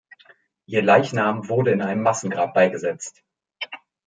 Ihr Leichnam wurde in einem Massengrab beigesetzt.